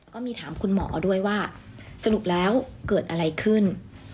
ก็มีถามคุณหมอด้วยว่าสรุปแล้วเกิดอะไรขึ้น